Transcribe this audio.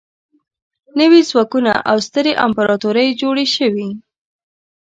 نوي ځواکونه او سترې امپراطورۍ جوړې شوې.